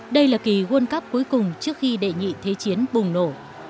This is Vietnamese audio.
đây là kỳ world cup cuối cùng trước khi đệ nhị thế chiến bùng nổ